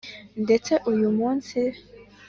ndetse uyu munsi